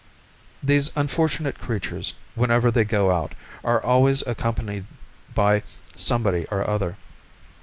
These unfortunate creatures whenever they go out are always accompanied by somebody or other.